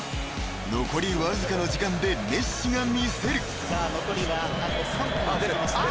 ［残りわずかの時間でメッシが魅せる］あ出た！